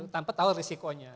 tanpa tahu risikonya